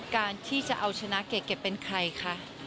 การที่จะเอาชนะเก๋เป็นใครคะ